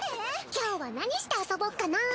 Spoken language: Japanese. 今日は何して遊ぼっかな。